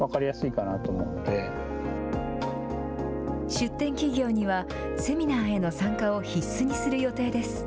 出展企業にはセミナーへの参加を必須にする予定です。